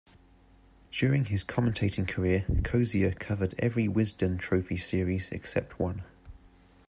During his commentating career, Cozier covered every Wisden Trophy series except one.